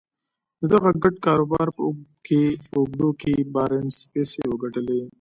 د دغه ګډ کاروبار په اوږدو کې بارنس پيسې وګټلې.